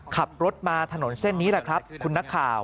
ขับรถมาถนนเส้นนี้แหละครับคุณนักข่าว